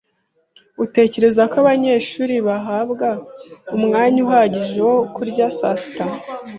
Utekereza ko abanyeshuri bahabwa umwanya uhagije wo kurya sasita?